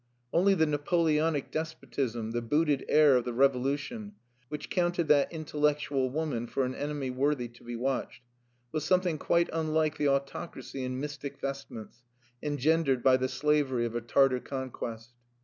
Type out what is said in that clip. Only the Napoleonic despotism, the booted heir of the Revolution, which counted that intellectual woman for an enemy worthy to be watched, was something quite unlike the autocracy in mystic vestments, engendered by the slavery of a Tartar conquest.